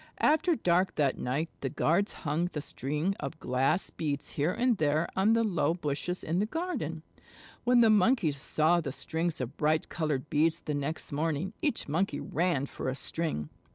After dark that night the guards hung the strings of glass beads here and there on the low bushes in the garden. When the Monkeys saw the strings of bright colored beads the next morning, each Monkey ran for a string.